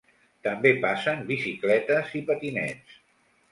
També passen bicicletes i patinets.